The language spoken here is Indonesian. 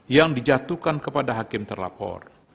yang dijatuhkan kepada hakim terlapor